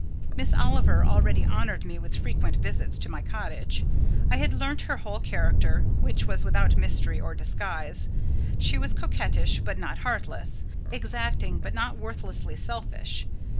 Miss Oliver already honoured me with frequent visits to my cottage. I had learnt her whole character, which was without mystery or disguise: she was coquettish but not heartless; exacting, but not worthlessly selfish.